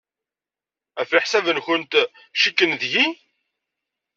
Ɣef leḥsab-nwent, cikken deg-i?